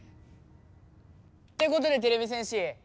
ってことでてれび戦士！